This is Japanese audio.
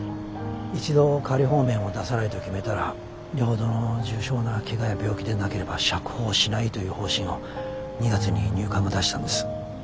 一度仮放免を出さないと決めたらよほどの重症なけがや病気でなければ釈放しないという方針を２月に入管が出したんです。